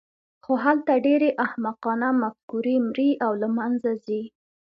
خو هلته ډېرې احمقانه مفکورې مري او له منځه ځي.